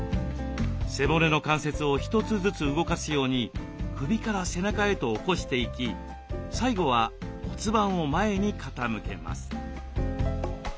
背骨の関節を一つずつ動かすように首から背中へと起こしていき最後は骨盤を前に傾けます。